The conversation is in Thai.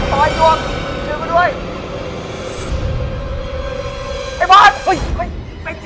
เป็นตัวไอ้นวงช่วยกันด้วย